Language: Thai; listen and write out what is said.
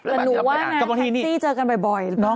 แต่หนูว่าไงกับแท็กซี่เจอกันบ่อย